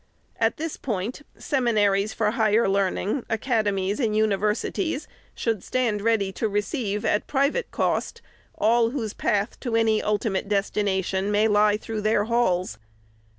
At this point, seminaries for higher learning, academies and universities, should stand ready to receive, at private cost, all whose path to any ultimate destination may lie through their halls.